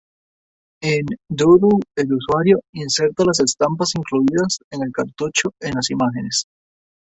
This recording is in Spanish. En "Doodle" el usuario inserta las estampas incluidas en el cartucho en las imágenes.